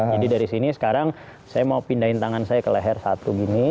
jadi dari sini sekarang saya mau pindahin tangan saya ke leher satu gini